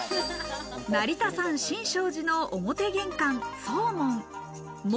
成田山新勝寺の表玄関・総門。